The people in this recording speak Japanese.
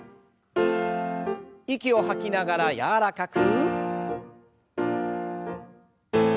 息を吐きながら柔らかく。